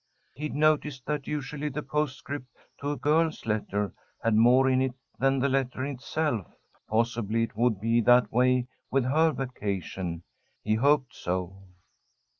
He'd noticed that usually the postscript to a girl's letter had more in it than the letter itself. Possibly it would be that way with her vacation. He hoped so.